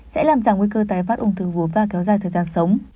sẽ làm giảm nguy cơ tái phát ung thư vú và kéo dài thời gian sống